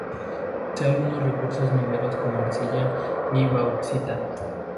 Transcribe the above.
Posee algunos recursos mineros como arcilla y bauxita.